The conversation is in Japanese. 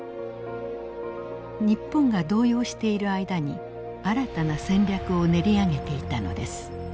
日本が動揺している間に新たな戦略を練り上げていたのです。